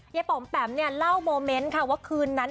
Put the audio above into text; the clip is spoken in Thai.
ยายปอ๋อมแปมเนี่ยเล่าคืนนั้น